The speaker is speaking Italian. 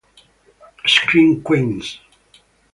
Scream Queens